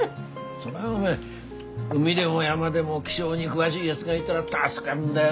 そりゃお前海でも山でも気象に詳しいやづがいだら助かるんだよ。